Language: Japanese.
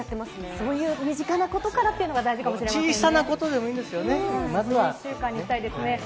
そういう身近なことからっていうのが、大事かもしれませんね。